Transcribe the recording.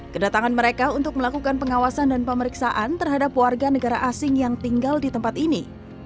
kedatangan mereka untuk melakukan pengawasan dan pemeriksaan terhadap warga negara asing yang tinggal di tempat ini